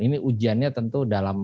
ini ujiannya tentu dalam satu hari